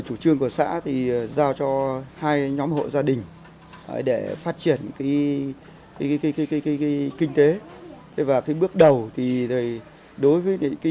chủ trương của xã thì giao cho hai nhóm hộ gia đình để phát triển kinh tế và cái bước đầu thì đối với cái